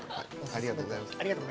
ありがとうございます。